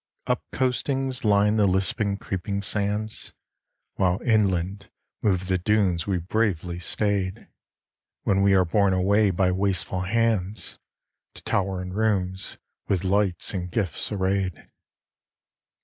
Up coastings, line the lisping, creeping sands, While inland move the dunes we bravely stayed, When we are borne away by wasteful hands, To tower in rooms, with lights and gifts arrayed.